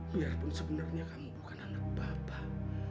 biarpun sebenarnya kamu bukan anak bapak